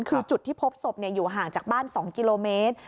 คือจุดที่พบศพอยู่ห่างจากบ้าน๒กิโลเมตร